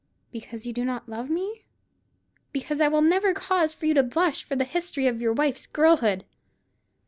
"Because you do not love me?" "Because I will never cause you to blush for the history of your wife's girlhood."